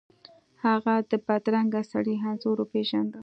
هغه د بدرنګه سړي انځور وپیژنده.